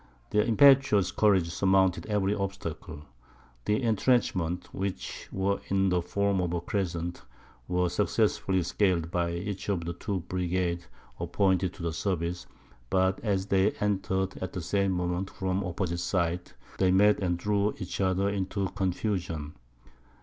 Their impetuous courage surmounted every obstacle; the entrenchments, which were in the form of a crescent, were successfully scaled by each of the two brigades appointed to the service; but as they entered at the same moment from opposite sides, they met and threw each other into confusion.